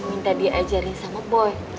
minta dia ajarin sama boy